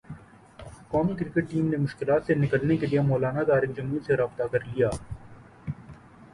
قومی cricket team نے مشکلات سے نکلنے کیلئے مولانا طارق جمیل سے رابطہ کرلیا